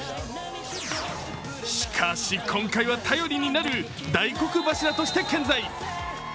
しかし今回は頼りになる大黒柱として健在。